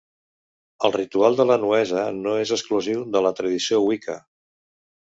El ritual de la nuesa no és exclusiu de la tradició Wicca.